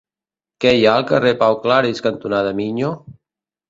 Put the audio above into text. Què hi ha al carrer Pau Claris cantonada Miño?